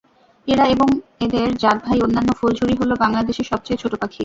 এরা এবং এদের জাতভাই অন্যান্য ফুলঝুরি হলো বাংলাদেশের সবচেয়ে ছোট পাখি।